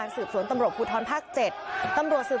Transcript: สวัสดีครับ